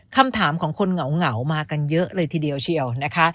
คำถามของคนเหงามากันเยอะเลยทีเดียวเชียวนะคะ